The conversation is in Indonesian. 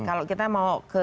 kalau kita mau ke